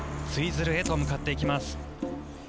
ツイズルへと向かってきます。